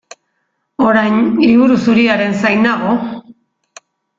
Orain Liburu Zuriaren zain nago.